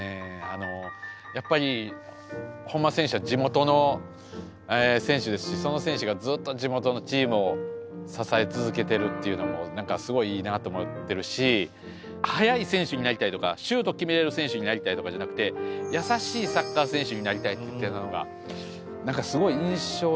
やっぱり本間選手は地元の選手ですしその選手がずっと地元のチームを支え続けてるっていうのも何かすごいいいなと思ってるし速い選手になりたいとかシュート決めれる選手になりたいとかじゃなくて優しいサッカー選手になりたいって言ってたのが何かすごい印象的でしたね。